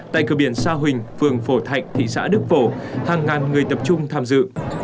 tại cửa biển sa huỳnh phường phổ thạnh thị xã đức phổ hàng ngàn người tập trung tham dự